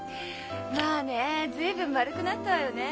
まあね随分丸くなったわよねえ。